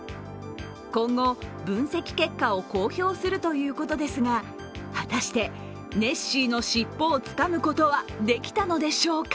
今後、分析結果を公表するということですが、果たしてネッシーの尻尾をつかむことはできたのでしょうか。